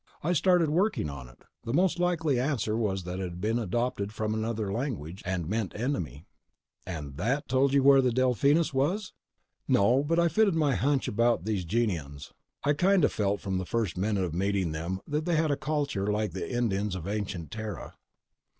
I started working on it. The most likely answer was that it had been adopted from another language, and meant enemy." "And that told you where the Delphinus was?" "No. But it fitted my hunch about these Gienahns. I'd kind of felt from the first minute of meeting them that they had a culture like the Indians of ancient Terra."